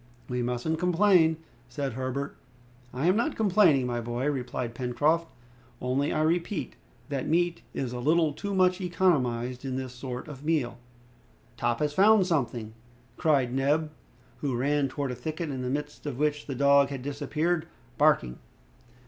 "We mustn't complain," said Herbert. "I am not complaining, my boy," replied Pencroft, "only I repeat, that meat is a little too much economized in this sort of meal." "Top has found something!" cried Neb, who ran towards a thicket, in the midst of which the dog had disappeared, barking.